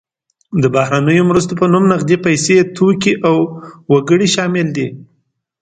د بهرنیو مرستو په نوم نغدې پیسې، توکي او وګړي شامل دي.